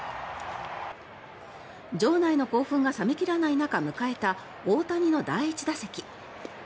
場内の興奮が冷め切らない中迎えた大谷の第１打席。